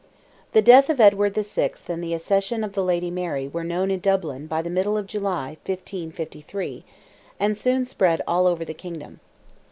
The death of Edward VI. and the accession of the lady Mary were known in Dublin by the middle of July, 1553, and soon spread all over the kingdom.